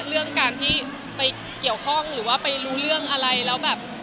เรื่องการที่ไปเกี่ยวข้องหรือว่าไปรู้เรื่องอะไรแล้วแบบ